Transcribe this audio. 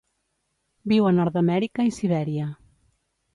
Viu a Nord-amèrica i Sibèria.